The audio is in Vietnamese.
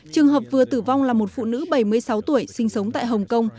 trường hợp vừa tử vong là một phụ nữ bảy mươi sáu tuổi sinh sống tại hồng kông